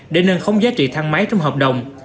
để nâng khống giá trị thang máy trong hợp đồng